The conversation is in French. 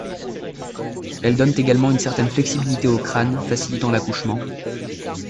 Elles donnent également une certaine flexibilité au crâne facilitant l'accouchement.